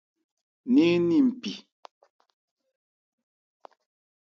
Ní ń ni npi.